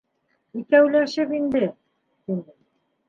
— Икәүләшеп инде, — тине.